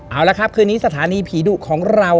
เอาละครับคืนนี้สถานีผีดุของเรา